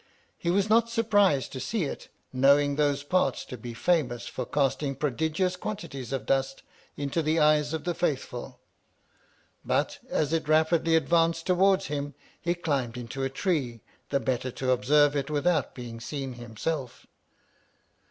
He was not surprised to see it, know ing those parts to be famous for casting pro digious quantities of dust into the eyes of the Faithful ; but, as it rapidly advanced towards him, he climbed into a tree, the better to ob serve it without being seen himself.